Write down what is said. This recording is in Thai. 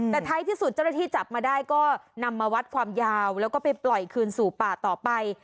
แต่ท้ายที่สุดเจ้าหน้าที่จับมาได้ก็นำมาวัดความยาวแล้วก็ไปปล่อยคืนสู่ป่าต่อไป